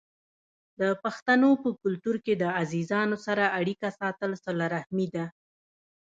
د پښتنو په کلتور کې د عزیزانو سره اړیکه ساتل صله رحمي ده.